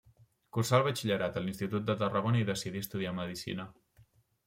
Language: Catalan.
Cursà el batxillerat a l'Institut de Tarragona i decidí estudiar medicina.